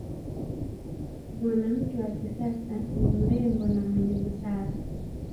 Mwanamke wa kisasa ni mrembo na mwenye busara